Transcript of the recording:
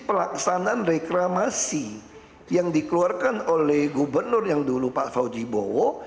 pelaksanaan reklamasi yang dikeluarkan oleh gubernur yang dulu pak fauji bowo